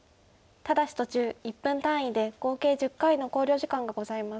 ただし途中１分単位で合計１０回の考慮時間がございます。